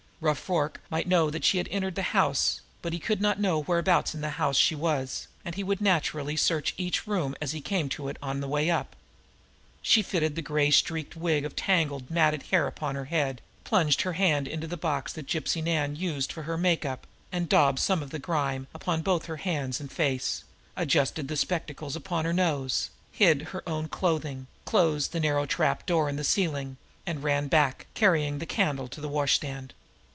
Rough Rorke might know she had entered the house, but he could not know whereabouts in the house she was, and he would naturally search each room as he came to it on the way up. She fitted the gray streaked wig of tangled, matted hair upon her head, plunged her hand into the box that Gypsy Nan used for her make up and daubed some of the grime upon both hands and face, adjusted the spectacles upon her nose, hid her own clothing, closed the narrow trap door in the ceiling, and ran back, carrying the candle, to the washstand.